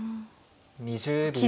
２０秒。